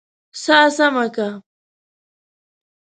سا سمه که!